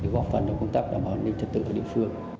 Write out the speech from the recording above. góp phần trong công tác đảm bảo nền trật tự ở địa phương